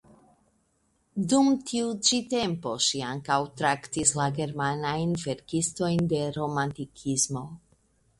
Dum tiu ĉi tempo ŝi ankaŭ traktis la germanajn verkistojn de romantikismo.